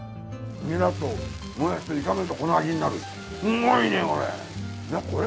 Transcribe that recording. ニラともやしと炒めるとこの味になるすごいねこれ！